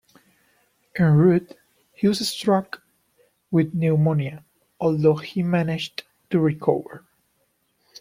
En route he was struck with pneumonia, although he managed to recover.